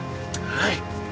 はい。